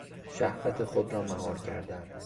شهوت خود را مهار کردن